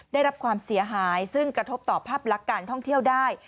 ได้รับความเสียหายซึ่งกระทบต่อภาพลักษณ์การท่องเที่ยวได้